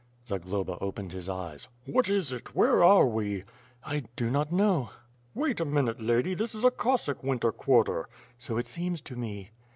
Zagloba opened his eyes. "What is it? Where are we?" "I do not know." "Wait a minute, lady, this is a Cossack winter quarter.'* "So it seems to me."